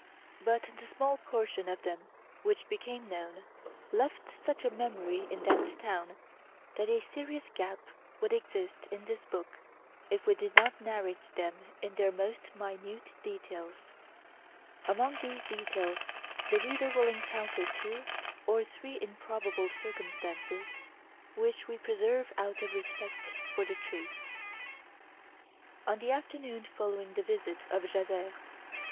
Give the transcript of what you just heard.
But the small portion of them which became known left such a memory in that town that a serious gap would exist in this book if we did not narrate them in their most minute details. Among these details the reader will encounter two or three improbable circumstances, which we preserve out of respect for the truth. On the afternoon following the visit of Javert, M.